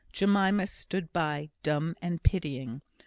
Jemima stood by, dumb and pitying.